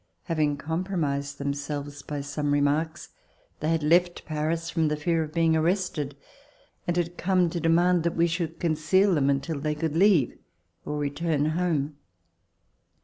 Having compromised themselves by some remarks, they had left Paris from the fear of being arrested and had come to demand that we should conceal them until they could leave or return home.